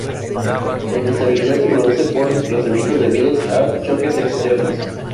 La inestabilidad se produce por desplazamientos debidos a choques externos.